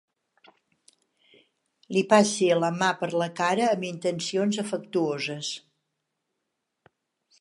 Li passi la mà per la cara amb intencions afectuoses.